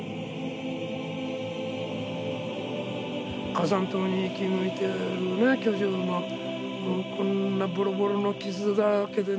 火山島に生き抜いてる巨樹のこんなボロボロの傷だらけでね